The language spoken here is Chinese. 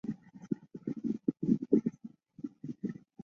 后在布宜诺斯艾利斯大学学工程师。